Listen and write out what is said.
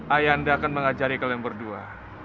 ayah anda akan mengajari kalian berdua